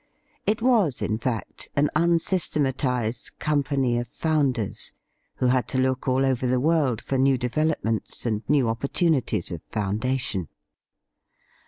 It was, in fact, an unsystematized Company of Founders, who had to look all over the world for new developments and new opportunities of foundation.